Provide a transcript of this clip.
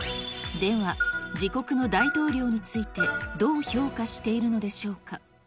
では、自国の大統領について、どう評価しているのでしょうか。